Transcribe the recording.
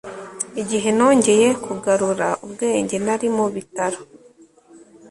Igihe nongeye kugarura ubwenge nari mu bitaro